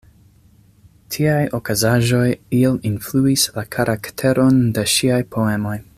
Tiaj okazaĵoj iel influis la karakteron de ŝiaj poemoj.